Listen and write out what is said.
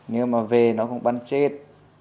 nếu mà về nó cũng bắn chết